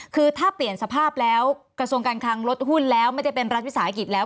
คือถ้าเปลี่ยนสภาพแล้วกระทรวงการคลังลดหุ้นแล้วไม่ได้เป็นรัฐวิสาหกิจแล้ว